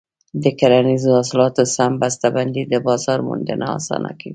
د کرنیزو حاصلاتو سم بسته بندي د بازار موندنه اسانه کوي.